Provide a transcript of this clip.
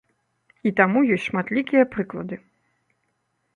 І таму ёсць шматлікія прыклады.